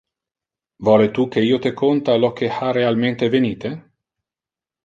Vole tu que io te conta lo que ha realmente evenite?